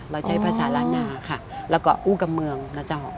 เราใช้ภาษาล้านนาค่ะแล้วก็อู้กับเมืองกระเจ้า